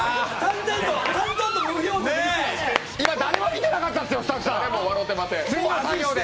今、誰も見てなかったですよ、スタッフさん、次の作業で。